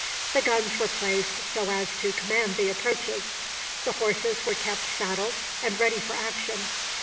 The guns were placed so as to command the approaches. The horses were kept saddled, and ready for action.